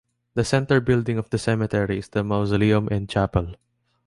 The center building of the cemetery is the mausoleum and chapel.